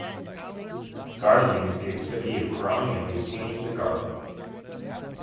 Gardening is the activity of growing and maintaining the garden.